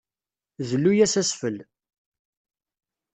Zlu-as asfel.